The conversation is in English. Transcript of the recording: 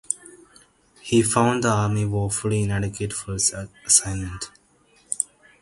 He found the army woefully inadequate for its assignment.